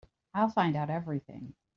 I'll find out everything.